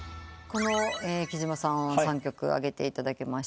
木島さんは３曲挙げていただきました。